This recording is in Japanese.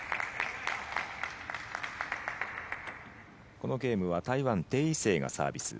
このゲームは台湾、テイ・イセイがサービス